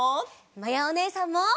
まやおねえさんも。